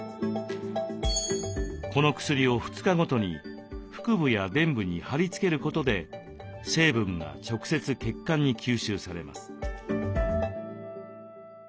この薬を２日ごとに腹部やでん部に貼り付けることで成分が直接血管に吸収されます。